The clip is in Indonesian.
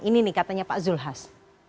ini nih katanya pak zulhas